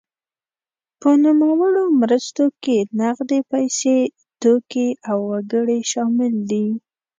په نوموړو مرستو کې نغدې پیسې، توکي او وګړي شامل دي.